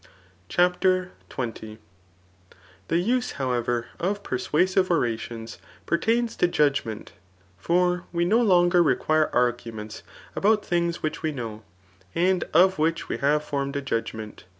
CHAPTER XX. The use, hoi^ever, ^f persuasive orations pertains ta judgment ; for we no longer require arguments about things which we know, and of which we have formed a judgment.